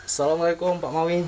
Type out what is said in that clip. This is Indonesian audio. assalamualaikum pak mawi